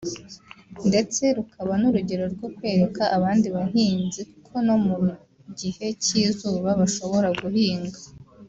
ndetse rukaba n’urugero rwo kwereka abandi bahinzi ko no mu gihe cy’izuba bashohora guhinga